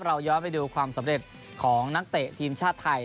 เราย้อนไปดูความสำเร็จของนักเตะทีมชาติไทย